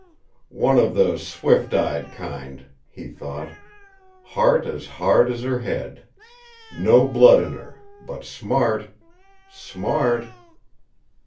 "One of the swift eyed kind," he thought; "heart as hard as her head. No blood in her but smart. Smart!"